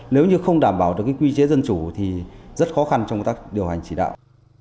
nếu như không đảm bảo được quy chế dân chủ thì rất khó khăn trong công tác điều hành chỉ đạo